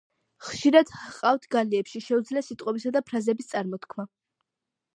ხშირად ჰყავთ გალიებში, შეუძლია სიტყვებისა და ფრაზების წარმოთქმა.